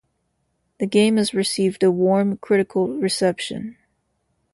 The game has received a warm critical reception.